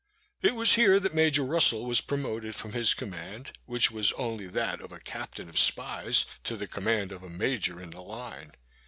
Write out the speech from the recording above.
It was here that Major Russel was promoted from his command, which was only that of a captain of spies, to the command of a major in the line.